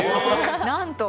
なんと！